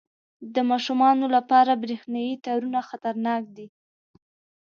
• د ماشومانو لپاره برېښنايي تارونه خطرناک دي.